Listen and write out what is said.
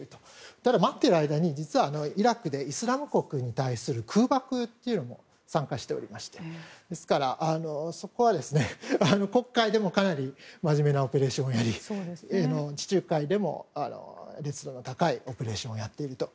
ただ、待っている間に実はイラクでイスラム国に対する空爆に参加しておりましてですから、そこは黒海でもかなりまじめなオペレーションをやり地中海でもオペレーションをやっていると。